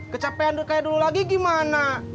kecapean kayak dulu lagi gimana